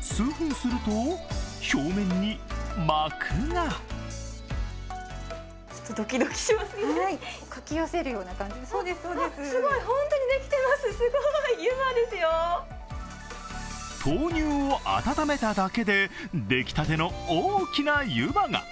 数分すると表面に膜が豆乳を温めただけで、出来たての大きな湯葉が。